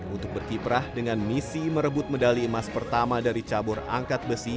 untuk berkiprah dengan misi merebut medali emas pertama dari cabur angkat besi